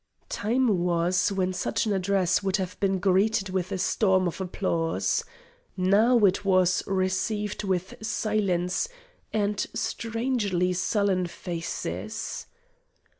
Time was when such an address would have been greeted with a storm of applause. Now it was received with silence and strangely sullen faces.